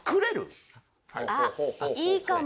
あっいいかも！